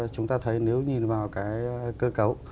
chúng ta thấy nếu nhìn vào cái cơ cấu